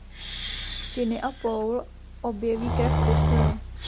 Ginny a Paul objeví krev v posteli.